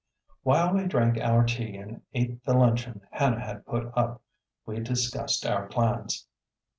While we drank our tea and ate the luncheon Hannah had put up we discussed our plans.